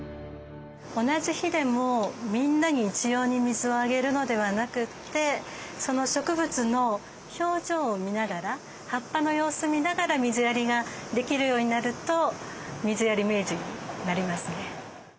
同じ日でもみんなに一様に水をあげるのではなくてその植物の表情を見ながら葉っぱの様子を見ながら水やりができるようになると「水やり名人」になれますね。